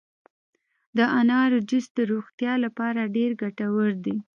د انارو جوس د روغتیا لپاره ډیر ګټور دي.